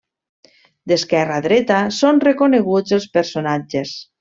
D'esquerra a dreta són reconeguts els personatges.